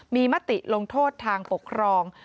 มีมติลงโทษทางปกครอง